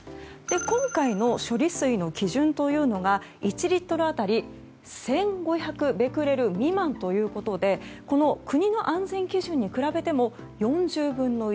今回の処理水の基準というのが１リットル当たり１５００ベクレル未満ということでこの国の安全基準に比べても４０分の１。